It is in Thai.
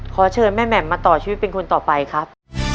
ขอเชิญแม่แหม่มมาต่อชีวิตเป็นคนต่อไปครับ